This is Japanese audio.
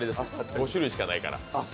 ５種類しかないから。